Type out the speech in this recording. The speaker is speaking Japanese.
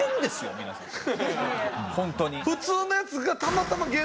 ホントに。